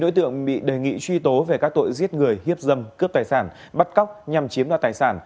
một đối tượng bị đề nghị truy tố về các tội giết người hiếp dâm cướp tài sản bắt cóc nhằm chiếm đoạt tài sản